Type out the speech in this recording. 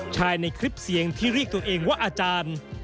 ในคลิปเสียงที่เรียกตัวเองว่าอาจารย์